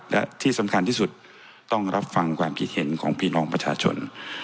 และที่สำคัญที่สุดต้องรับฟังความคิดเห็นของพี่น้องประชาชน